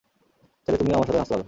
চাইলে তুমিও আমার সাথে নাচতে পারো।